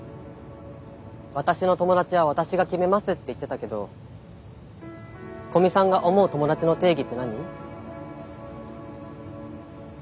「私の友達は私が決めます」って言ってたけど古見さんが思う友達の定義って何？